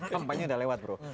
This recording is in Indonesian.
kampanye udah lewat bro